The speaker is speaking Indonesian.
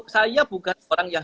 saya bukan orang yang